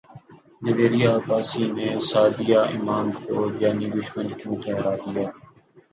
جویریہ عباسی نے سعدیہ امام کو جانی دشمن کیوں ٹھہرا دیا